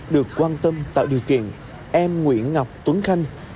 được quan tâm tạo điều kiện em nguyễn ngọc tuấn khanh